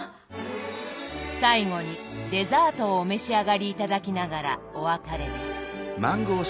最後にデザートをお召し上がり頂きながらお別れです。